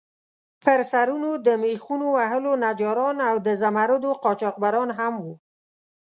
پر سرونو د میخونو وهلو نجاران او د زمُردو قاچاقبران هم وو.